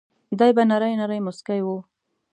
دای به نری نری مسکی و.